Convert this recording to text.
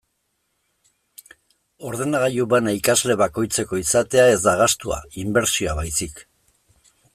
Ordenagailu bana ikasle bakoitzeko izatea ez da gastua, inbertsioa baizik.